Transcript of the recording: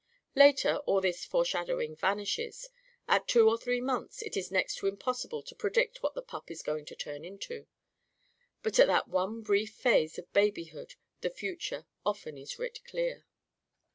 Later, all this foreshadowing vanishes. At two or three months it is next to impossible to predict what the pup is going to turn into. But in that one brief phase of babyhood the future often is writ clear.